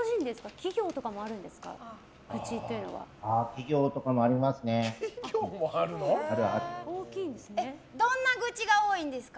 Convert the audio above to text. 企業とかもあるんですか？